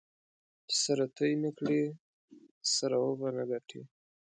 چې سره توی نه کړې؛ سره به و نه ګټې.